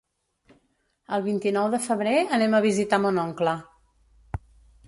El vint-i-nou de febrer anem a visitar mon oncle.